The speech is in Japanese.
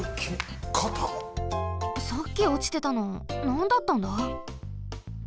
さっきおちてたのなんだったんだ？